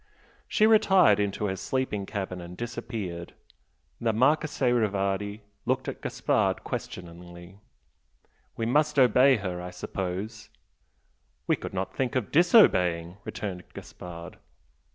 She retired into her sleeping cabin and disappeared. The Marchese Rivardi looked at Gaspard questioningly. "We must obey her, I suppose?" "We could not think of disobeying!" returned Gaspard.